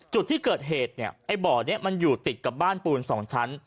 จุดที่เกิดเหตุเนี่ยไอ้บ่อนี้มันอยู่ติดกับบ้านปูน๒ชั้น